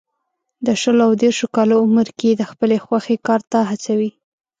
د شلو او دېرشو کالو عمر کې یې د خپلې خوښې کار ته هڅوي.